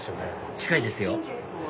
近いですよ